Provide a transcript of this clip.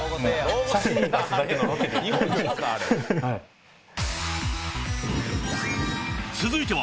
はい。